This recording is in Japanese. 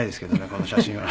この写真は。